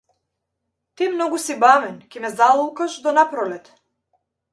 Те многу си бавен, ќе ме залулкаш до напролет!